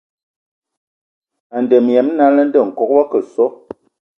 A ndǝŋə hm nala, ndɔ Nkɔg o akǝ sɔ,